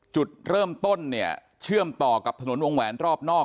จุดเริ่มต้นเนี่ยเชื่อมต่อกับถนนวงแหวนรอบนอก